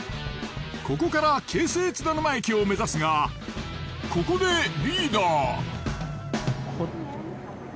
ここから京成津田沼駅を目指すがここでリーダー。